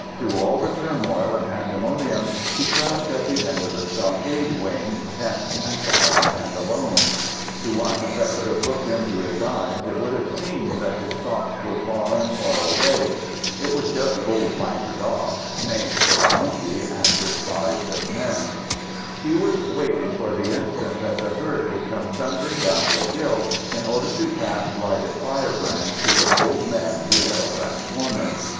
Through all the turmoil and pandemonium he crouched at the end of the stockade wing, tense, and silent and alone. To one that could have looked into his eyes, it would have seemed that his thoughts were far and far away. It was just old Langur Dass, named for a monkey and despised of men. He was waiting for the instant that the herd would come thundering down the hill, in order to pass lighted firebrands to the bold men who held that corner.